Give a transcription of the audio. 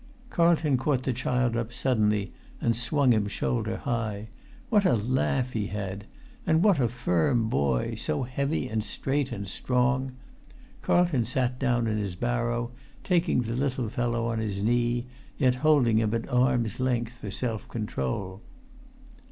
Carlton caught the child up suddenly, and swung him shoulder high. What a laugh he had! And what a firm boy, so heavy and straight and strong! Carlton sat down in his barrow, taking the little fellow on his knee, yet holding him at arm's length for self control.